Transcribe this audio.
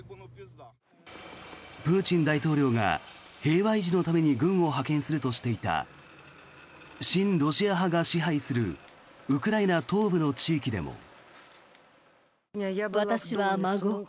プーチン大統領が平和維持のために軍を派遣するとしていた親ロシア派が支配するウクライナ東部の地域でも。